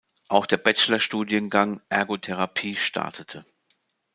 Auch der Bachelor-Studiengang „Ergotherapie“ startete.